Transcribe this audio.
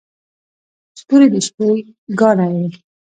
• ستوري د شپې ګاڼه وي.